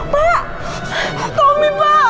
pak tommy pak